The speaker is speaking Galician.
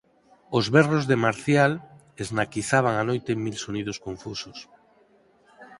Os berros de Marcial esnaquizaban a noite en mil sonidos confusos.